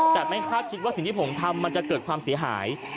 แต่ไม่คาดคิดว่าสิ่งที่ผมทำมันจะเกิดความเสียหาย